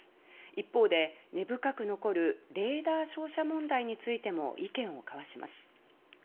一方で、根深く残るレーダー照射問題についても意見を交わします。